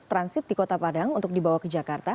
transit di kota padang untuk dibawa ke jakarta